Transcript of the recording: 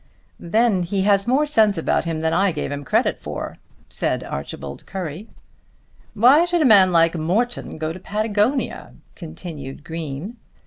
"Then he has more sense about him than I gave him credit for," said Archibald Currie. "Why should a man like Morton go to Patagonia?" continued Green.